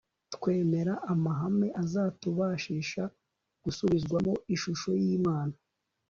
twemera amahame azatubashisha gusubizwamo ishusho y'imana